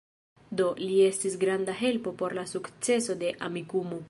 Do, li estis granda helpo por la sukceso de Amikumu